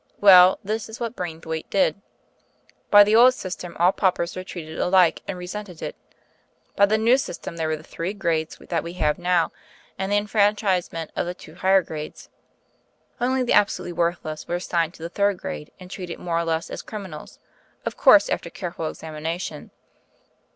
Well, this is what Braithwaite did. By the old system all paupers were treated alike, and resented it. By the new system there were the three grades that we have now, and the enfranchisement of the two higher grades. Only the absolutely worthless were assigned to the third grade, and treated more or less as criminals of course after careful examination.